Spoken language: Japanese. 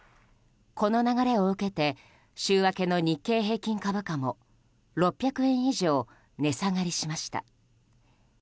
この流れを受けて週明けの日経平均株価も６００円以上値下がりしました。